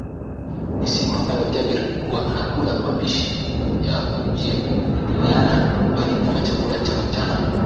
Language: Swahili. Ni siku ambayo Jabir huwa anakula mapishi ya Juliana nyumbani kama chakula cha mchana